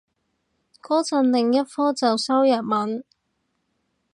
個陣另一科就修日文